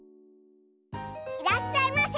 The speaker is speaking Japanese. いらっしゃいませ。